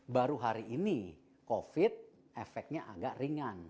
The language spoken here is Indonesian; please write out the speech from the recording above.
baru hari ini covid efeknya agak ringan